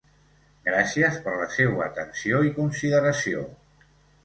Gràcies per la seua atenció i consideració.